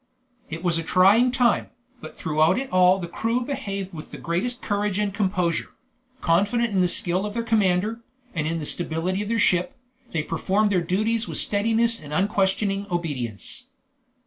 It was a trying time, but throughout it all the crew behaved with the greatest courage and composure; confident in the skill of their commander, and in the stability of their ship, they performed their duties with steadiness and unquestioning obedience.